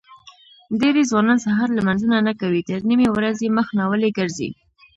دېری ځوانان سهار لمنځونه نه کوي تر نیمې ورځې مخ ناولي ګرځي.